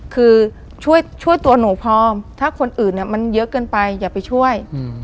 คือช่วยตัวหนูพร้อมถ้าคนอื่นมันเยอะเกินไปอย่าไปช่วย